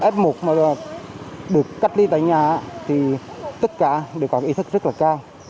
f một mà được cách ly tại nhà thì tất cả đều có ý thức rất là cao